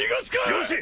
よせ！